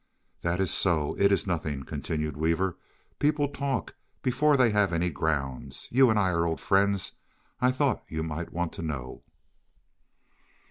"That is so. It is nothing," continued Weaver. "People talk before they have any grounds. You and I are old friends. I thought you might want to know."